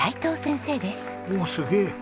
おおすげえ！